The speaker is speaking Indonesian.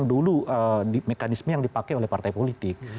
dulu mekanisme yang dipakai oleh partai politik